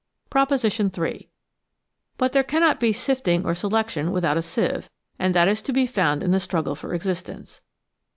Proposition III. — But there cannot be sifting or selection without a sieve, and that is to be found in the struggle for exist ence.